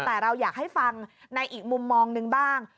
แต่เราอยากให้ฟังในอีกมุมมองหนึ่งบ้าง